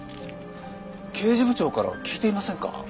刑事部長から聞いていませんか？